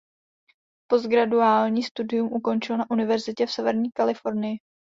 Postgraduální studium ukončil na univerzitě v severní Kalifornii.